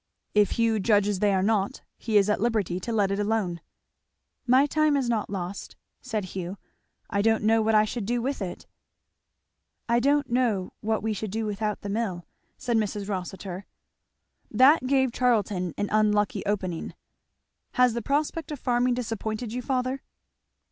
"If Hugh judges they are not, he is at liberty to let it alone." "My time is not lost," said Hugh; "I don't know what I should do with it." "I don't know what we should do without the mill," said Mrs. Rossitur. That gave Charlton an unlucky opening. "Has the prospect of farming disappointed you, father?"